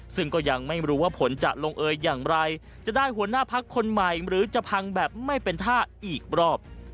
ซึ่งก็ยังไม่รู้ว่าผลจะลงเอยอย่างไรจะได้หัวหน้าพักคนใหม่หรือจะพังแบบไม่เป็นท่าอีกรอบ